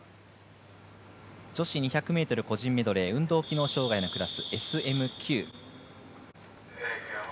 女子２００ｍ個人メドレー運動機能障がいのクラスＳＭ９。